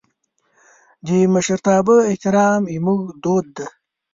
د مشرتابه احترام زموږ دود دی.